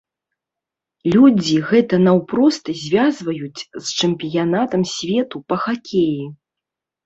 Людзі гэта наўпрост звязваюць з чэмпіянатам свету па хакеі.